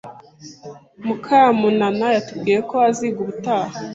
Mukamunana yatubwiye ko aziga ubutaha